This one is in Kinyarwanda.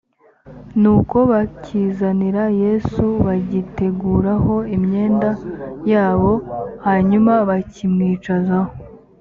nuko bakizanira yesu bagiteguraho imyenda yabo hanyuma bakimwicazaho